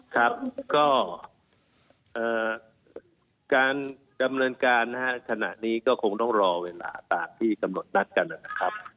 ครับก็การดำเนินการนะฮะขณะนี้ก็คงต้องรอเวลาตามที่กำหนดนัดกันนะครับ